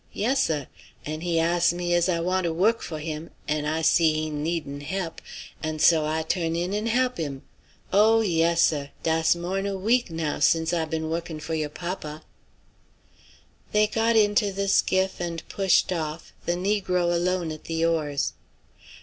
Yes, seh. An' he ass me is I want to wuck fo' him, an' I see he needin' he'p, an' so I tu'n in an' he'p him. Oh, yes, seh! dass mo' 'n a week, now, since I been wuckin' fo' you papa." They got into the skiff and pushed off, the negro alone at the oars.